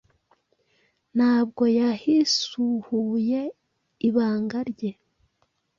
Ntabwo yahsihuye ibanga rye